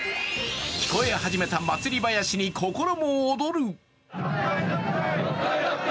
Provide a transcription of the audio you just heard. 聞こえ始めた祭り囃子に心も躍る。